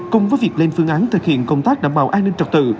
cùng với việc lên phương án thực hiện công tác đảm bảo an ninh trật tự